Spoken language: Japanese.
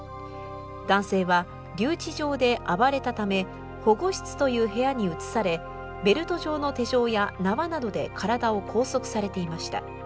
男性は留置場で暴れたため保護室という部屋に移されベルト状の手錠や縄などで体を拘束されていました。